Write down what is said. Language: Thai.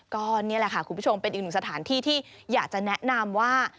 ก็นี่แหละค่ะคุณผู้ชมเป็นอีกหนึ่งสถานที่ที่อยากจะแนะนำว่า